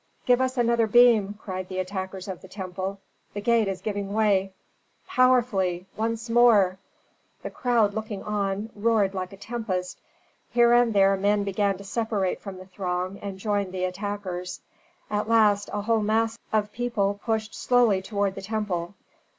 "Give us another beam!" cried the attackers of the temple. "The gate is giving way!" "Powerfully! Once more!" The crowd looking on roared like a tempest. Here and there men began to separate from the throng and join the attackers. At last a whole mass of people pushed slowly toward the temple.